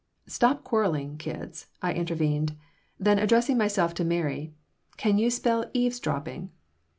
"Stop quarreling, kids," I intervened. Then, addressing myself to Mary, "Can you spell 'eavesdropping'?"